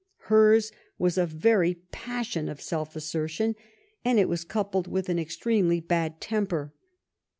Hers was a very passion of self asser tion, and it was coupled with an extremely bad tem per.